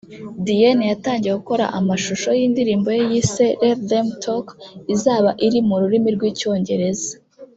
Diyen yatangiye gukora amashusho yindirimbo ye yise ‘Let them talk’ izaba iri mu rurimi rw’icyongereza